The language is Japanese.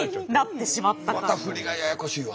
また振りがややこしいわ。